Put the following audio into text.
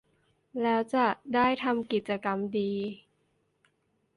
แล้วจะได้ทำกิจกรรมดี